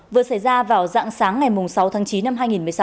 vừa xảy ra vào dạng sáng ngày sáu tháng chín năm hai nghìn một mươi sáu